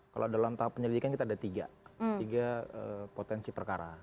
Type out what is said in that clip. kalau dalam tahap penyelidikan kita ada tiga potensi perkara